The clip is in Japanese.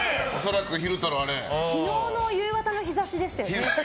昨日の夕方の日差しでしたよね。